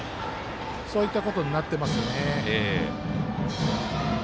そういったことになってますよね。